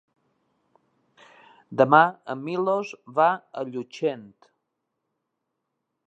Demà en Milos va a Llutxent.